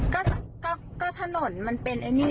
ก็ถนนมันเป็นไอ้นี่